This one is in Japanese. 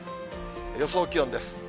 予想気温です。